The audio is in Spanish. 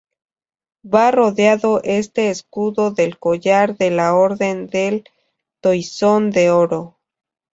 Va rodeado este escudo del collar de la Orden del Toisón de Oro.